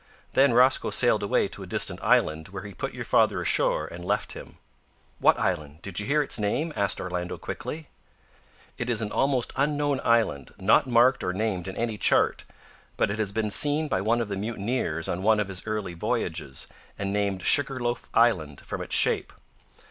Then Rosco sailed away to a distant island, where he put your father ashore, and left him." "What island did you hear its name?" asked Orlando, quickly. "It is an almost unknown island, not marked or named in any chart; but it had been seen by one of the mutineers on one of his early voyages, and named Sugar loaf Island, from its shape.